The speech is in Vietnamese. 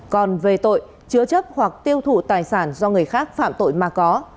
còn về tội chứa chấp hoặc tiêu thụ tài sản do người khác phạm tội mà có